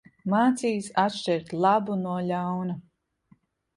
Mācījis atšķirt labu no ļauna.